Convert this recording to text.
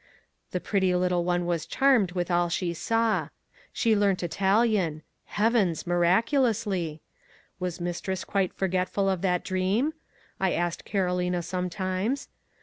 The pretty little one was charmed with all she saw. She learnt Italian—heavens! miraculously! Was mistress quite forgetful of that dream? I asked Carolina sometimes.